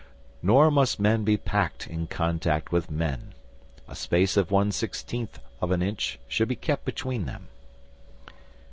Nor must men be packed in contact with men. A space of one sixteenth of an inch should be kept between them.